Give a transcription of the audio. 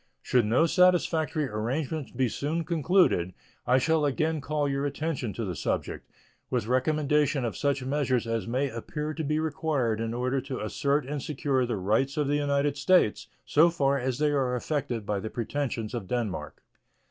Should no satisfactory arrangement be soon concluded, I shall again call your attention to the subject, with recommendation of such measures as may appear to be required in order to assert and secure the rights of the United States, so far as they are affected by the pretensions of Denmark.